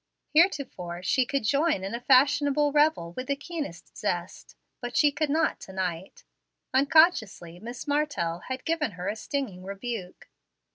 Heretofore she could join in a fashionable revel with the keenest zest, but she could not to night. Unconsciously Miss Martell had given her a stinging rebuke.